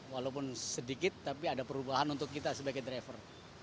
walaupun sedikit tapi ada perubahan untuk kita sebagai driver